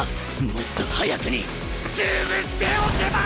もっと早くに潰しておけば！